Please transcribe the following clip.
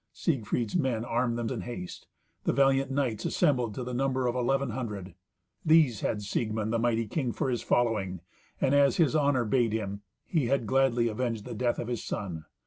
Siegfried's men armed them in haste; the valiant knights assembled to the number of eleven hundred. These had Siegmund, the mighty king, for his following; and, as his honour bade him, he had gladly avenged the death of his son.